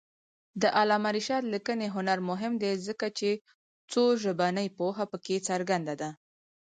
د علامه رشاد لیکنی هنر مهم دی ځکه چې څوژبني پوهه پکې څرګنده ده.